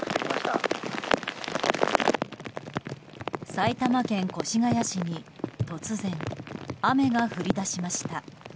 埼玉県越谷市に突然、雨が降り出しました。